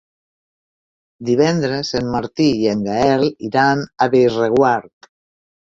Divendres en Martí i en Gaël iran a Bellreguard.